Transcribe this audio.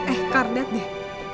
eh kar liat deh